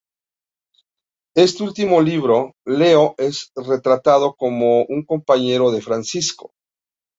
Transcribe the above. En este último libro, Leo es retratado como un compañero de Francisco.